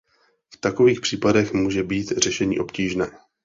V takových případech může být řešení obtížné.